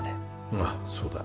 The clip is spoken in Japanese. ああそうだ